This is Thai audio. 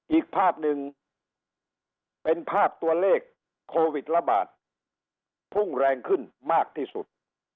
อีกภาพหนึ่งเป็นภาพตัวเลขโควิดระบาดพุ่งแรงขึ้นมากที่สุด